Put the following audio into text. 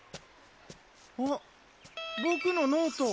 あっボクのノート。